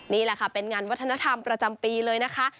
นี่แหละค่ะเป็นงานวัฒนธรรมประจำปีเลยนะคะ